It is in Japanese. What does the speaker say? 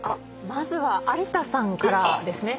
まずは有田さんからですね。